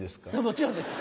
もちろんです。